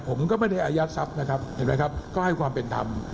ผมก็ไม่ได้อายัดทรัพย์นะครับเห็นไหมครับก็ให้ความเป็นธรรม